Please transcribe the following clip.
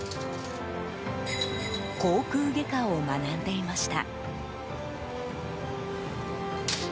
口腔外科を学んでいました。